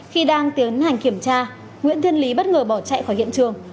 khi đang tiến hành kiểm tra nguyễn thiên lý bất ngờ bỏ chạy khỏi hiện trường